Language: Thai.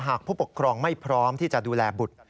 ผู้ปกครองไม่พร้อมที่จะดูแลบุตร